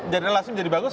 jadi relasi menjadi bagus